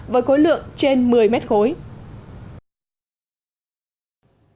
với khối lượng trên một mươi mét khối